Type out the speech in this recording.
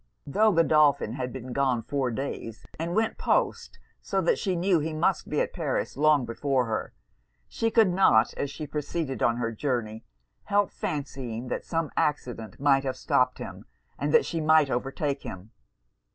Tho' Godolphin had been gone four days, and went post, so that she knew he must be at Paris long before her, she could not, as she proceeded on her journey, help fancying that some accident might have stopped him, and that she might overtake him.